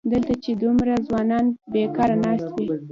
دلته چې دومره ځوانان بېکاره ناست وي.